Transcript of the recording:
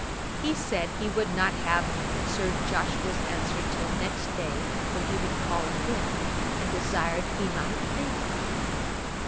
He said he would not have Sir Joshua's answer till next day, when he would call again, and desired he might think of it.